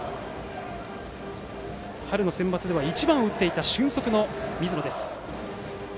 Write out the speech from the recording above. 春のセンバツでは１番を打っていた俊足の水野。